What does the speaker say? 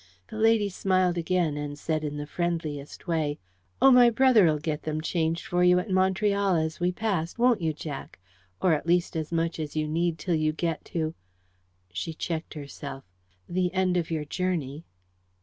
The lady smiled again, and said in the friendliest way: "Oh, my brother'll get them changed for you at Montreal as we pass, won't you, Jack? or at least as much as you need till you get to" she checked herself "the end of your journey."